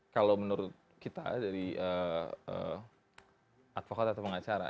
kalau menurut kita dari advokat atau pengacara